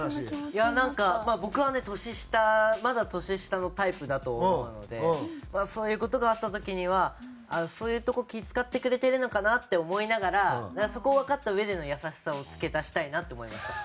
いやなんか僕はね年下まだ年下のタイプだと思うのでそういう事があった時にはそういうとこ気ぃ使ってくれてるのかなって思いながらそこをわかったうえでの優しさを付け足したいなって思いました。